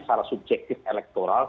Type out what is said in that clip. secara subjektif elektoral